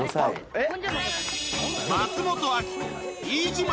えっ？